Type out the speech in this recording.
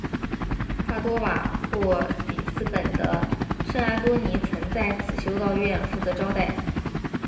帕多瓦或里斯本的圣安多尼曾在此修道院负责招待。